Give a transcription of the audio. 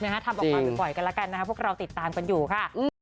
ทำออกมาบ่อยกันแล้วกันนะครับพวกเราติดตามกันอยู่ค่ะ